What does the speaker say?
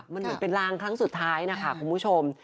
มันเหมือนเป็นลางครั้งสุดท้ายนะคะคุณผู้ชม